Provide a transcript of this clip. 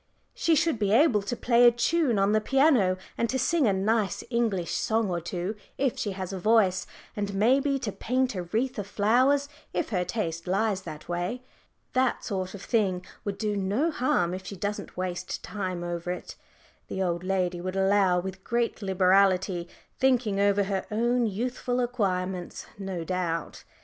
"She should be able to play a tune on the piano, and to sing a nice English song or two if she has a voice, and maybe to paint a wreath of flowers if her taste lies that way. That sort of thing would do no harm if she doesn't waste time over it," the old lady would allow, with great liberality, thinking over her own youthful acquirements no doubt.